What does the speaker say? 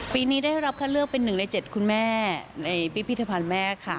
ปีนี้ได้รับคัดเลือกเป็น๑ใน๗คุณแม่ในพิพิธภัณฑ์แม่ค่ะ